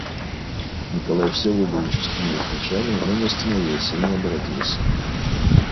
Николай Всеволодович вскинул плечами, но не остановился и не оборотился.